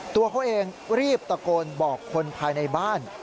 ตัวเขาเองรีบตะโกนบอกคนภายในบ้าน